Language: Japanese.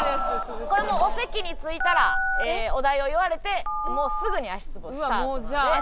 これもうお席に着いたらお題を言われてもうすぐに足ツボスタートなので。